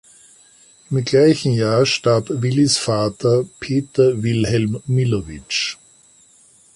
Im gleichen Jahr starb Willys Vater Peter Wilhelm Millowitsch.